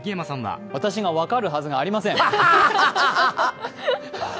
私が分かるはずがありません。